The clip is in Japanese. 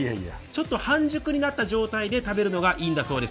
半熟になった状態で食べるのがいいんだそうです。